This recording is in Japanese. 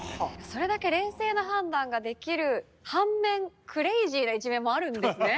それだけ冷静な判断ができる反面クレイジーな一面もあるんですね。